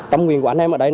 tâm nguyện của anh em ở đây